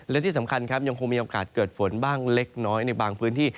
และที่สำคัญครับยังคงมีโอกาสเกิดฝนบ้างเล็กน้อยในบางพื้นที่